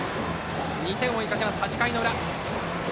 ２点を追いかける８回の裏。